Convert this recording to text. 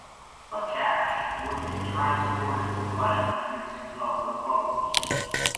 The catch would be transported to land using other boats.